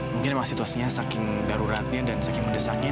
mungkin memang situasinya saking daruratnya dan saking mendesaknya